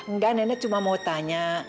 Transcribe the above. enggak nenek cuma mau tanya